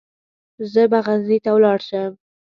زه به غزني ته ولاړ شم.